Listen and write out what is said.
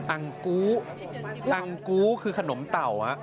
อังกูอังกูคือขนมเต่า